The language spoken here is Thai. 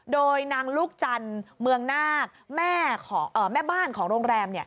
โดยนางลูกจันทร์เมืองนาคแม่บ้านของโรงแรม